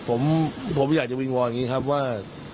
ผมอยากจะวิงวอนอย่างนี้ครับว่า